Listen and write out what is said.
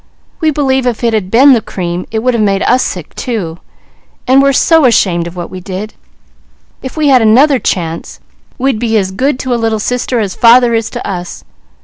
We believe if it had been the cream, it would have made us sick too, and we're so ashamed of what we did; if we had another chance, we'd be as good to a little sister as father is to us.